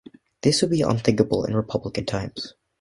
This would be unthinkable in Republican times.